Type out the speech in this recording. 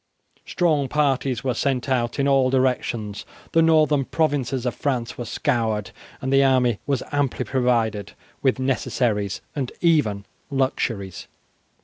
Strong parties were sent out in all directions. The northern provinces of France were scoured, and the army was amply provided with necessaries and even luxuries.